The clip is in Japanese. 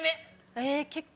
え結構。